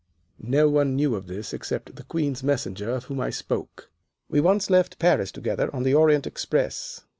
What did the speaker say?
"No one knew of this except the Queen's Messenger of whom I spoke. We once left Paris together on the Orient Express.